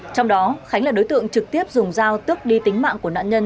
trong đó khánh là đối tượng trực tiếp dùng giao tước đi tính mạng của nạn nhân